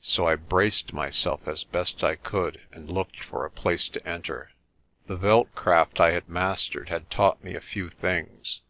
So I braced myself as best I could and looked for a place to enter. The veld craft I had mastered had taught me a few things.